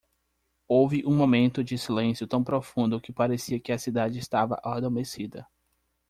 Houve um momento de silêncio tão profundo que parecia que a cidade estava adormecida.